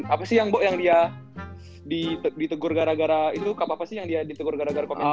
apa sih yang dia ditegur gara gara itu apa apa sih yang dia ditegur gara gara komentar